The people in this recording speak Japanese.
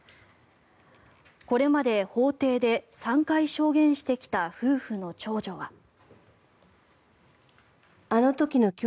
これまで法廷で３回証言してきた夫婦の長女は。